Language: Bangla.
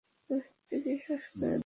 পরিস্থিতি কি সবসময়ই এত ভয়াবহ শোনায়?